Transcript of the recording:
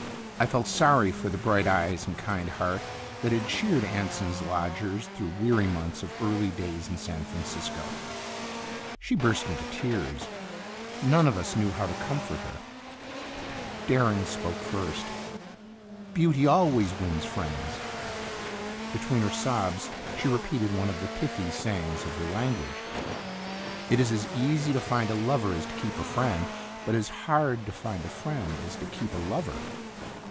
I felt sorry for the bright eyes and kind heart that had cheered Anson's lodgers through weary months of early days in San Francisco. She burst into tears. None of us knew how Itinerant to comfort her. Dering spoke first: " Beauty always wins friends." Between her sobs she repeated one of the pithy sayings of her language: "It is as easy to find a lover as to keep a friend, but as hard to find a friend as to keep a lover."